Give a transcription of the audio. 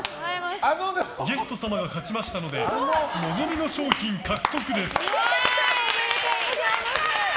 ゲスト様が勝ちましたので望みの賞品獲得です。